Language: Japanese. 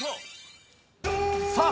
さあ